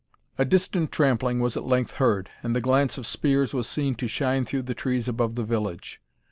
A distant trampling was at length heard, and the glance of spears was seen to shine through the trees above the village.